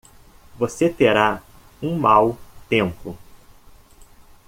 Você terá um mau tempo.